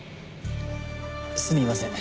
すみません。